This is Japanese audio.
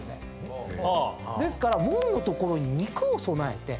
ですから門の所に肉を供えて。